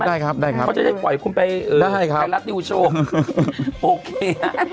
ได้ครับเขาจะไปปล่อยคุณไปไข่รัตน์ดิวโชว์โอเค